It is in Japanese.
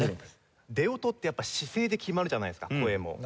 出音ってやっぱり姿勢で決まるじゃないですか声も。